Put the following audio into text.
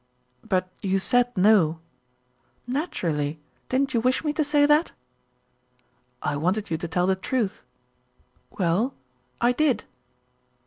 "But you said no." "Naturally! Didn't you wish me to say that?" "I wanted you to tell the truth." "Well, I did."